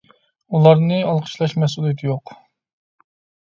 ئۇلارنى ئالقىشلاش مەسئۇلىيىتى يوق.